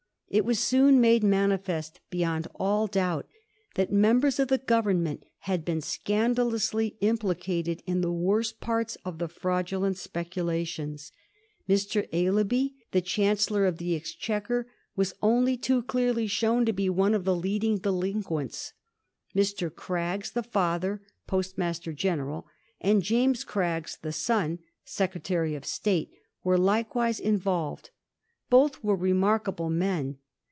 It was soon made manifest beyond all doubt that members of the Government had been scandalously implicated in the worst parts of the fraudulent speculations. Mr. Aislabie, the Chancellor of the Exchequer, was only too clearly shown to be one of the leading delinquents. Mr. Craggs, the father, Postmaster General, and James Craggs, the son, Secretary of State, were likewise in volved. Both were remarkable men.